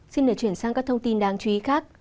xin để chuyển sang các thông tin đáng chú ý khác